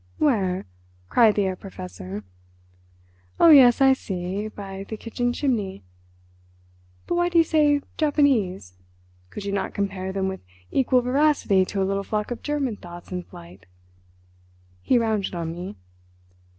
"Where?" cried the Herr Professor. "Oh yes, I see, by the kitchen chimney. But why do you say 'Japanese'? Could you not compare them with equal veracity to a little flock of German thoughts in flight?" He rounded on me.